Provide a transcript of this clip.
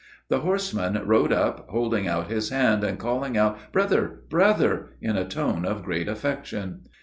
The horseman rode up, holding out his hand, and calling out "Brother! brother!" in a tone of great affection.